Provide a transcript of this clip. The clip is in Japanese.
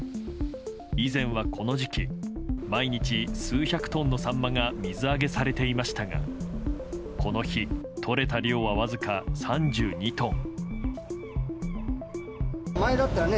以前は、この時期毎日、数百トンのサンマが水揚げされていましたがこの日とれた量はわずか３２トン。